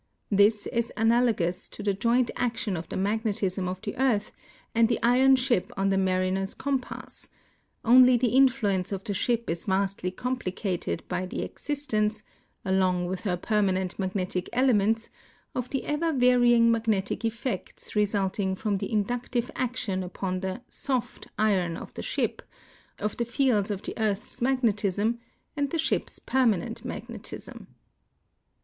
This is anal ogous to the joint action of the magnetism of the earth and the iron s^ip on the mariner's compass, only the influence of the ship is vastly complicated by the existence, along with her per manent magnetic elements, of the ever varying magnetic eflect*; resulting from the inductive action upon the ''soft" iron of the ship, of the fields of the earth's magnetism, and the ships per manent magnetism.